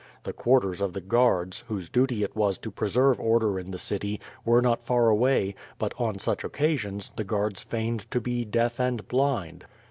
The quarters of the guards, whose duty it was to preserve order in the city, were not far away, but, on such occasions, the guards feigned to be deaf and blind.